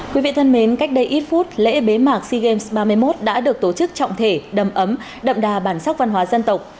quý vị thân mến cách đây ít phút lễ bế mạc sea games ba mươi một đã được tổ chức trọng thể đầm ấm đậm đà bản sắc văn hóa dân tộc